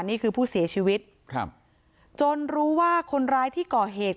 นี่คือผู้เสียชีวิตครับจนรู้ว่าคนร้ายที่ก่อเหตุ